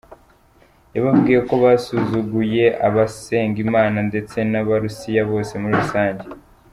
Yababwiye ko basuguye abasenga imana ndetse n’abarusiya bose muri rusange.